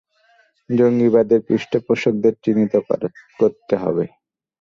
জঙ্গিবাদের পৃষ্ঠপোষকদের চিহ্নিত করতে হবে।